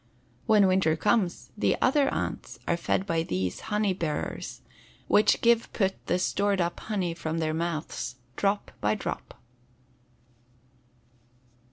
When winter comes the other ants are fed by these honey bearers, which give put the stored up honey from their mouths drop by drop.